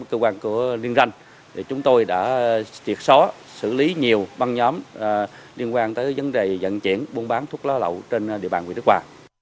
các cơ quan của liên ranh chúng tôi đã triệt só xử lý nhiều băng nhóm liên quan tới vấn đề dận chuyển buôn bán thuốc lá lậu trên địa bàn quỳ đức hòa